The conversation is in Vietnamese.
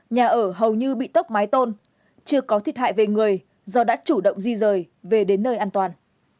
nhà ở hầu như bị tốc mái tôn chưa có thiệt hại về người do đã chủ động di rời về đến nơi an toàn